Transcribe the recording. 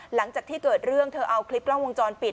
หลังจากที่เกิดเรื่องเธอเอาคลิปกล้องวงจรปิด